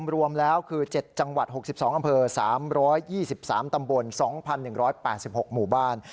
รวมแล้วคือ๗จังหวัด๖๒อำเภอ๓๒๓ตำบล๒๑๘๖หมู่บ้าน